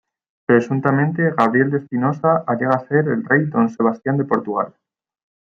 Presuntamente Gabriel de Espinosa alega ser el Rey Don Sebastián de Portugal.